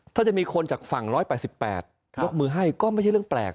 ถ้าจะมีคนจากฝั่ง๑๘๘ยกมือให้ก็ไม่ใช่เรื่องแปลก